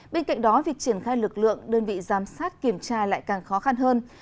bên cạnh đó việc triển khai lực lượng đơn vị giám sát kiểm tra lại càng khó khăn hơn